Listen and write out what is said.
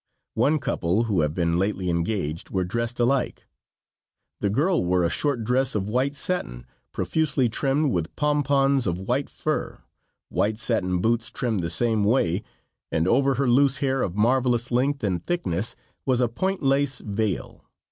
One couple, who have been lately engaged, were dressed alike. The girl wore a short dress of white satin, profusely trimmed with pompons of white fur; white satin boots trimmed the same way, and over her loose hair of marvelous length and thickness was a point lace veil.